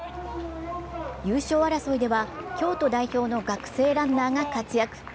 優勝争いでは京都代表の学生ランナーが活躍。